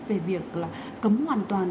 về việc cấm hoàn toàn